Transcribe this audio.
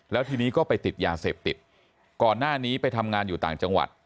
แล้วทีนี้ก็ไปติดยาเสพติดก่อนหน้านี้ไปทำงานอยู่ต่างจังหวัด